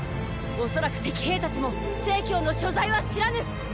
恐らく敵兵たちも成の所在は知らぬ！！